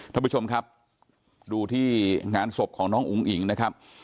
ท่านผู้ชมครับดูที่งานศพของน้องอุ๋งอิ๋งนะครับ